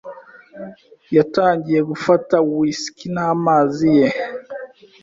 yatangiye gufata whisky n'amazi ye ...